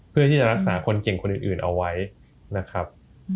เพื่อที่จะรักษาคนเก่งคนอื่นเอาไว้นะครับ